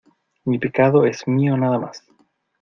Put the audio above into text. mi pecado es mío nada más.